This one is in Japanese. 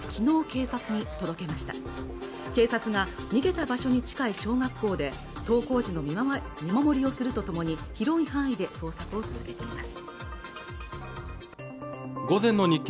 警察が逃げた場所に近い小学校で登校時の見守りをするとともに広い範囲で捜索を続けています